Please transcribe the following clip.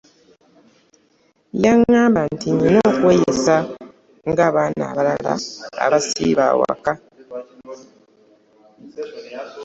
Yagamba nti nnina okweyisa ng'abaana abalala abasiiba ewaka.